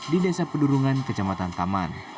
di desa pedurungan kecamatan taman